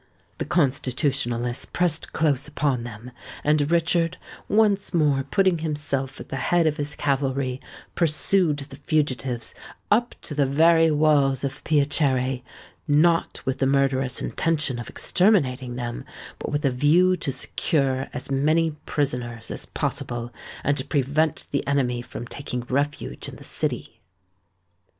The Constitutionalists pressed close upon them; and Richard, once more putting himself at the head of his cavalry, pursued the fugitives up to the very walls of Piacere—not with the murderous intention of exterminating them, but with a view to secure as many prisoners as possible, and prevent the enemy from taking refuge in the city.